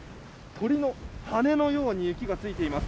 鳥の羽のように雪がついています。